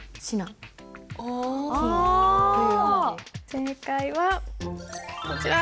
正解はこちら。